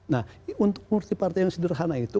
nah untuk multi partai yang sederhana itu